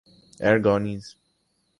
Aragonese